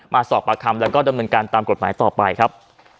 มาสอบปากคำแล้วก็ดำเนินการตามกฎหมายต่อไปครับ